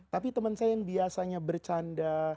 tapi teman saya yang biasanya bercanda